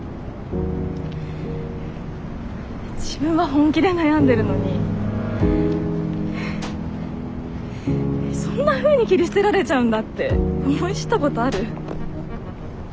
自分は本気で悩んでるのにそんなふうに切り捨てられちゃうんだって思い知ったことある？